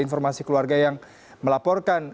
informasi keluarga yang melaporkan